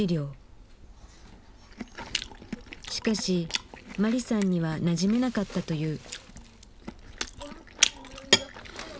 しかしマリさんにはなじめなかったという。